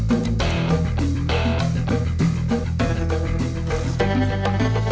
kemauan tidak terlalu réponse